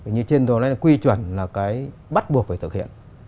như trên đồ này là quy chuẩn là cái bắt buộc phải thực hiện